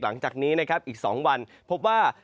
หลังจากนี้นะครับอีก๒วันพบว่า